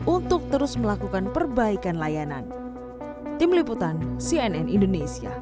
untuk terus melakukan perbaikan layanan